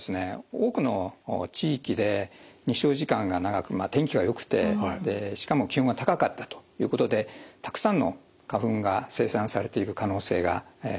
多くの地域で日照時間が長く天気がよくてしかも気温が高かったということでたくさんの花粉が生産されている可能性があると。